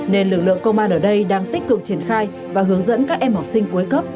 nên lực lượng công an ở đây đang tích cực triển khai và hướng dẫn các em học sinh cuối cấp